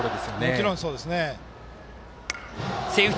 もちろん、そうですね。